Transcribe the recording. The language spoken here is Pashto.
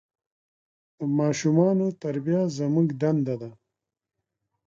د ماشومان تربیه زموږ دنده ده.